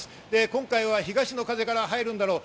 今回は東の風から入るんだろう。